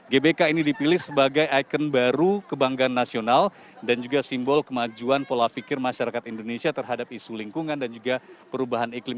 gbk ini dipilih sebagai ikon baru kebanggaan nasional dan juga simbol kemajuan pola pikir masyarakat indonesia terhadap isu lingkungan dan juga perubahan iklim